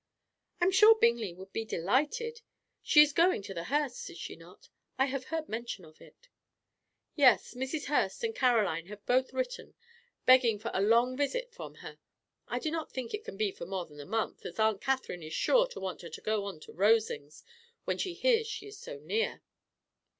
"I am sure Bingley would be delighted. She is going to the Hursts', is she not? I have heard mention of it." "Yes, Mrs. Hurst and Caroline have both written, begging for a long visit from her. I do not think it can be for more than a month, as Aunt Catherine is sure to want her to go on to Rosings when she hears she is so near.